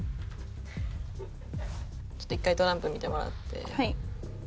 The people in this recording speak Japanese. ちょっと１回トランプ見てもらって。